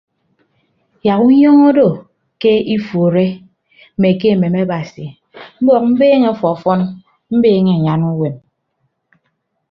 Yak unyọñọ odo ke ifuuro mme ke emem abasi mbọk mbeeñe ọfọfọn mbeeñe anyan uwem.